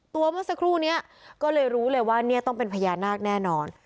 เมื่อสักครู่นี้ก็เลยรู้เลยว่าเนี่ยต้องเป็นพญานาคแน่นอน